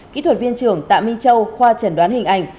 kỹ thuật viên trưởng tạ minh châu khoa trần đoán hình ảnh